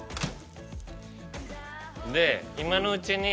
で今のうちに。